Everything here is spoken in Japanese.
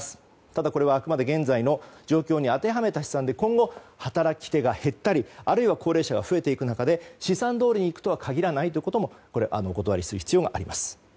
ただ、これはあくまで現在の状況に当てはめた試算で今後働き手が減ったりあるいは高齢者が増えていく中で試算どおりにいくとは限らないということもお断りする必要があります。